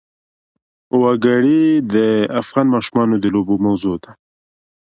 وګړي د افغان ماشومانو د لوبو موضوع ده.